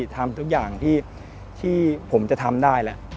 ทำทุกอย่างที่ผมจะทำได้แล้ว